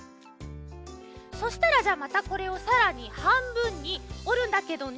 そしたらじゃあまたこれをさらにはんぶんにおるんだけどね